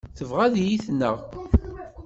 Tebɣa ad iyi-tneɣ.